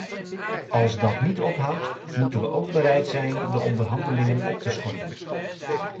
Als dat niet ophoudt, moeten we ook bereid zijn de onderhandelingen op te schorten.